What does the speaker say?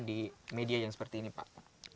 di media yang seperti ini pak